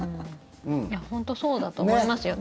本当にそうだと思いますよ。